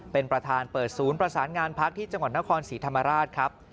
เป็นประธานเปิดศูนย์ประสานงานพักที่จังหวัดนครศรีธรรมราชครับ